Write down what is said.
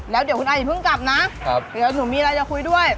แล้วเดี๋ยวคุณอาอย่าเพิ่งกลับนะเดี๋ยวหนูมีอะไรจะคุยด้วย